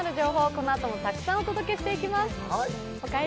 このあともたくさんお届けしていきますよ。